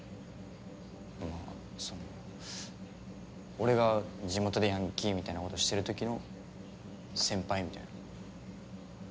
まあその俺が地元でヤンキーみたいなことしてるときの先輩みたいな。